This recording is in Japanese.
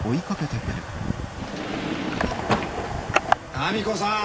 民子さん。